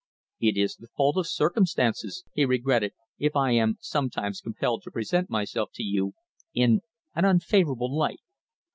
"It is the fault of circumstances," he regretted, "if I am sometimes compelled to present myself to you in an unfavourable light.